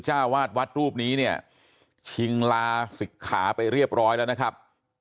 เจ้าวาดวัดรูปนี้เนี่ยชิงลาศิกขาไปเรียบร้อยแล้วนะครับ